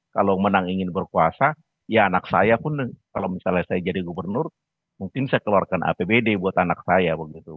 kalau menang ingin berkuasa ya anak saya pun kalau misalnya saya jadi gubernur mungkin saya keluarkan apbd buat anak saya begitu